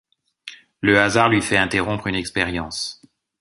Le hasard lui fait interrompre une expérience.